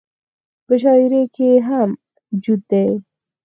پۀ شاعرۍ کښې هم جوت دے -